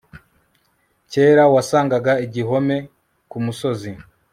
Kera wasangaga igihome kumusozi